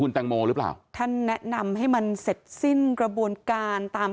แตงโมหรือเปล่าท่านแนะนำให้มันเสร็จสิ้นกระบวนการตาม